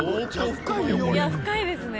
深いですね。